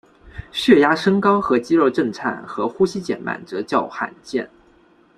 血压升高和肌肉震颤和呼吸减慢则较罕见。